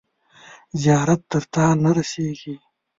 زیارت تر تاته نه رسیږي.